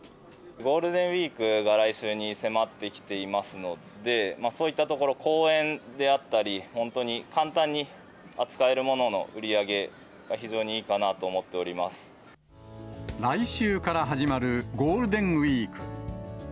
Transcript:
ゴールデンウィークが来週に迫ってきていますので、そういったところ、公園であったり、本当に簡単に扱えるものの売り上げが非常にいいかなと思っており来週から始まるゴールデンウィーク。